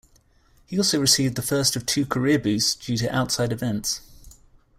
He also received the first of two career boosts due to outside events.